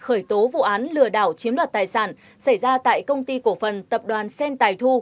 khởi tố vụ án lừa đảo chiếm đoạt tài sản xảy ra tại công ty cổ phần tập đoàn sen tài thu